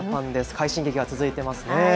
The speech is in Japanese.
快進撃が続いていますね。